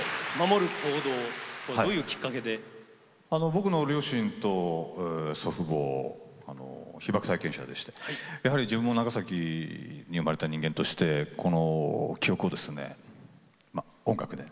僕の両親と祖父母は被爆体験者でしてやはり自分も長崎に生まれた人間としてこの記憶をですね